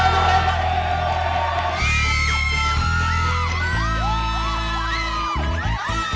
tepuk tangan untuk reva